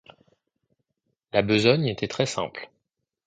La besogne était très simple.